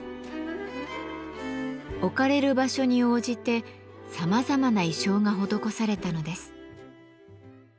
置かれる場所に応じてさまざまな意匠が施されたのです。